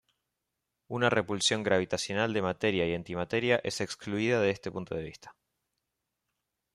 Una repulsión gravitacional de materia y antimateria es excluida de este punto de vista.